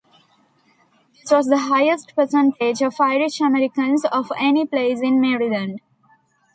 This was the highest percentage of Irish Americans of any place in Maryland.